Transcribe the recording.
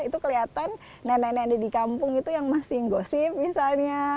itu kelihatan nenek nenek di kampung itu yang masih gosip misalnya